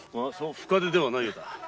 深傷ではないようだ。